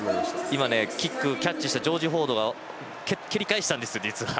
今キックをキャッチしたジョージ・フォードが蹴り返したんですよ、実は。